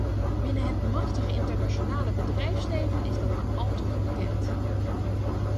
Binnen het machtige internationale bedrijfsleven is dat maar al te goed bekend.